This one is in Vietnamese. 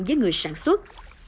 với người sản xuất